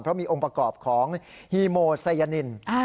เพราะมีองค์ประกอบของฮีโมไซยานิน